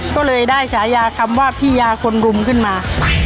ก็เลยได้ฉายาคำว่าพี่ยาคนรุมขึ้นมา